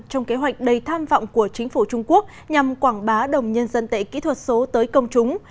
trong kế hoạch đầy tham vọng của chính phủ trung quốc nhằm quảng bá đồng nhân dân tệ kỹ thuật số tới công chúng